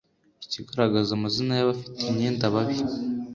ikagaragaza amazina y abafite imyenda babi